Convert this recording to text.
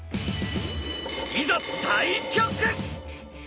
いざ対局！